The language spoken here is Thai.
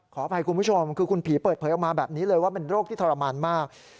ขออภัยคุณผู้ชมคือคุณผีเปิดเผยออกมาแบบนี้เลยว่าเป็นโรคที่ทรมานมาก